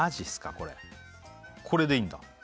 これこれでいいんだ？